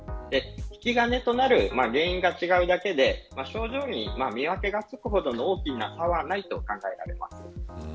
引き金となる原因が違うだけで症状に見分けがつくほどの大きな差はないと考えられます。